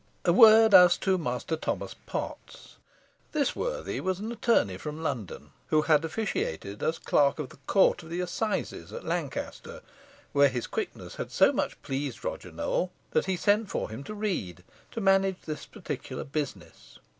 A word as to Master Thomas Potts. This worthy was an attorney from London, who had officiated as clerk of the court at the assizes at Lancaster, where his quickness had so much pleased Roger Nowell, that he sent for him to Read to manage this particular business.